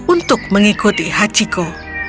untuk mengikuti hachiko